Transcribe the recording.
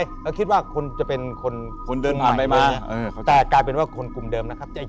แล้วคิดว่าคนจะเป็นคนคนเดินผ่านไปมาแต่กลายเป็นว่าคนกลุ่มเดิมนะครับ